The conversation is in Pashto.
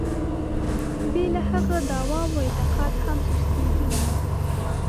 بې له هغه د عوامو اعتقاد هم سستېږي.